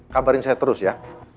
kabarin saya terus ya